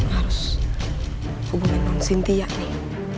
harus hubungin dengan cynthia nih